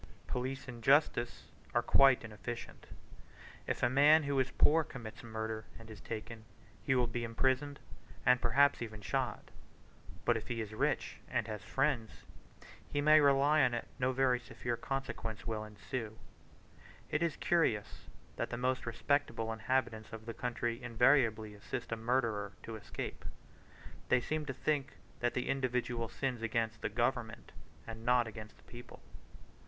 Police and justice are quite inefficient. If a man who is poor commits murder and is taken, he will be imprisoned, and perhaps even shot; but if he is rich and has friends, he may rely on it no very severe consequence will ensue. It is curious that the most respectable inhabitants of the country invariably assist a murderer to escape: they seem to think that the individual sins against the government, and not against the people.